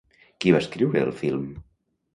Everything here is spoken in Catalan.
Qui va escriure el film?